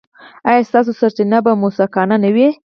ایا ستاسو سرچینه به موثقه نه وي؟